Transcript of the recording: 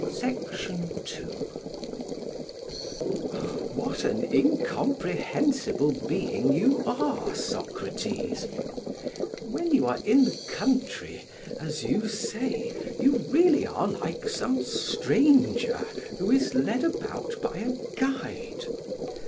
PHAEDRUS: What an incomprehensible being you are, Socrates: when you are in the country, as you say, you really are like some stranger who is led about by a guide.